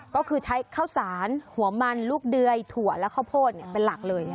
ก็คือใช้ข้าวสารหัวมันลูกเดยถั่วและข้าวโพดเป็นหลักเลย